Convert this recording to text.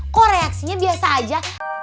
kok reaksinya biasa aja